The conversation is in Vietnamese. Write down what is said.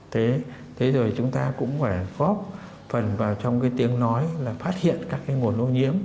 thế rồi chúng ta cũng phải góp phần vào trong cái tiếng nói là phát hiện các cái nguồn ô nhiễm